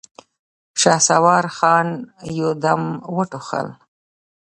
شهسوار خان يودم وټوخل.